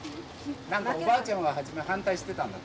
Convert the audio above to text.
何かおばあちゃんは初め反対してたんだって？